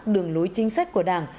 đường lối chính sách của đảng